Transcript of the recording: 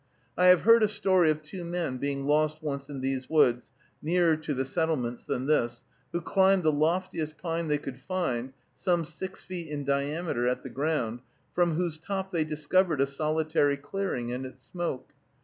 I have heard a story of two men being lost once in these woods, nearer to the settlements than this, who climbed the loftiest pine they could find, some six feet in diameter at the ground, from whose top they discovered a solitary clearing and its smoke.